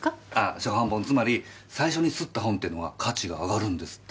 初版本つまり最初に刷った本ってのは価値が上がるんですって。